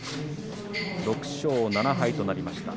６勝７敗となりました。